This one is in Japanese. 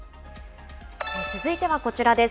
続いてはこちらです。